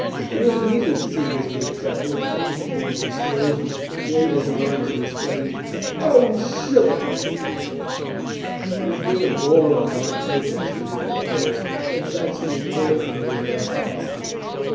It was amusing to see this big fellow, worked up to the point of explosion, wave his arms and exclaim: "Oh, sugar!" It would bring a roar of mock protest from the other players, and threats to report him for his rough talk.